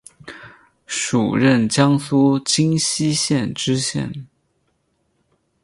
署任江苏荆溪县知县。